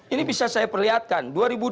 ini bisa saya perlihatkan